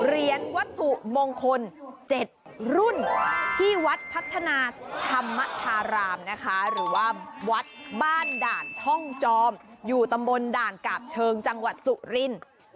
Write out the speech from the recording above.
เหรียญวัตถุมงคล๗รุ่นที่วัดพัฒนาธรรมธารามนะคะหรือว่าวัดบ้านด่านช่องจอมอยู่ตำบลด่านกาบเชิงจังหวัดสุรินทร์